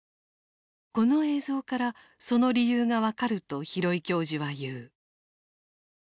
この映像からその理由が分かると廣井教授は言う。